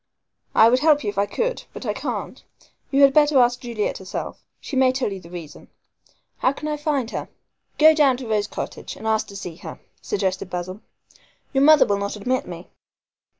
"I would help you if I could, but I can't. You had better ask Juliet herself. She may tell you the reason." "How can I find her?" "Go down to Rose Cottage and ask to see her," suggested Basil. "Your mother will not admit me."